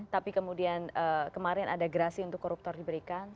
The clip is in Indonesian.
tapi kemudian kemarin ada gerasi untuk koruptor diberikan